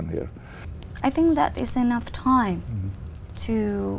như thế nào